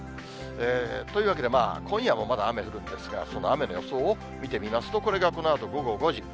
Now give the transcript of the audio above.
というわけで、今夜もまだ雨降るんですが、その雨の予想を見てみますと、これがこのあと午後５時。